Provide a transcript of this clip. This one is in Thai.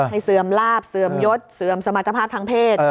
เสื่อมลาบเสื่อมยศเสื่อมสมรรถภาพทางเพศ